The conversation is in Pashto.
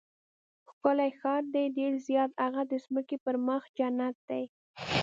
ښکلی ښار دی؟ ډېر زیات، هغه د ځمکې پر مخ جنت دی.